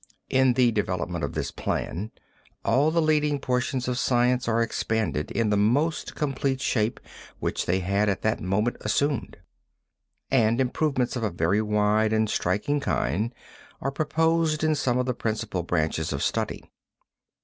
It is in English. In the development of this plan all the leading portions of science are expanded in the most complete shape which they had at that time assumed; and improvements of a very wide and striking kind are proposed in some of the principal branches of study.